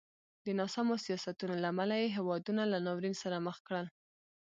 د ناسمو سیاستونو له امله یې هېوادونه له ناورین سره مخ کړل.